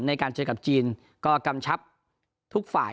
ในการเจอกับจีนก็กำชับทุกฝ่าย